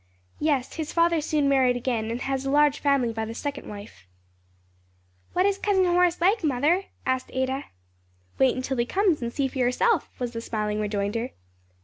"Yes; his father soon married again and has a large family by the second wife." "What is Cousin Horace like, mother?" asked Ada. "Wait until he comes and see for yourself," was the smiling rejoinder.